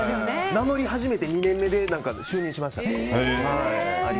名乗り始めて２年目で就任しました。